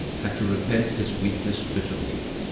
had to repent his weakness bitterly.